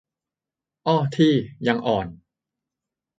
อ้อ ที่ "ยังอ่อน"